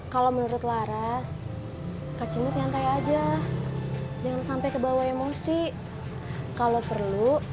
kalau menurut laras kacimut nyantai aja jangan sampai kebawa emosi kalau perlu